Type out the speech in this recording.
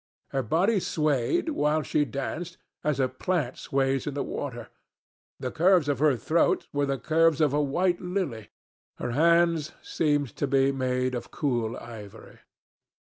Her body swayed, while she danced, as a plant sways in the water. The curves of her throat were the curves of a white lily. Her hands seemed to be made of cool ivory.